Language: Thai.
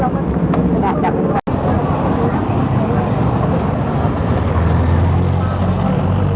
มันเป็นสิ่งที่จะให้ทุกคนรู้สึกว่ามันเป็นสิ่งที่จะให้ทุกคนรู้สึกว่า